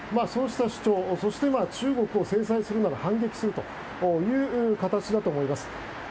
そうした主張そして中国を制裁するなら反撃するという形だと思います。